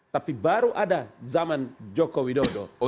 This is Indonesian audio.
tapi baru ada zaman jokowi dodo